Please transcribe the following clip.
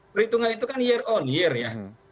perhitungan itu kan year on year ya